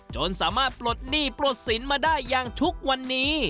จนสามารถปลดหนี้ปลดสินมาได้อย่างทุกวันนี้